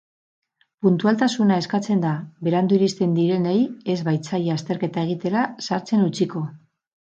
Puntualtasuna eskatzen da, berandu iristen direnei ez baitzaie azterketa egitera sartzen utziko.